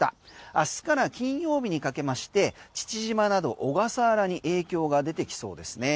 明日から金曜日にかけまして父島など小笠原に影響が出てきそうですね。